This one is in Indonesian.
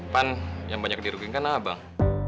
kan yang banyak diruginkan lah bang